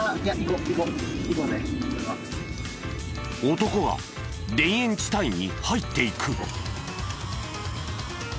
男は田園地帯に入っていく。